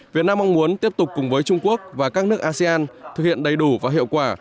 việt nam mong muốn tiếp tục cùng với trung quốc và các nước asean thực hiện đầy đủ và hiệu quả